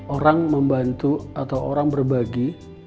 orang membantu atau orang berbagi